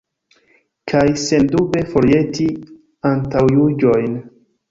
Kaj sendube forjeti antaŭjuĝojn.